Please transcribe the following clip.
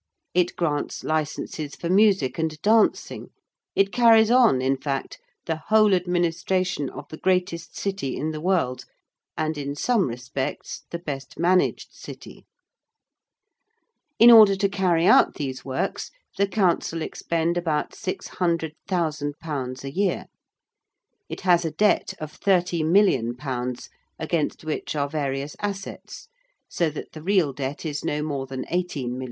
It grants licenses for music and dancing: it carries on, in fact, the whole administration of the greatest City in the world, and, in some respects, the best managed City. In order to carry out these works the Council expend about 600,000_l._ a year. It has a debt of 30,000,000_l._, against which are various assets, so that the real debt is no more than 18,000,000_l.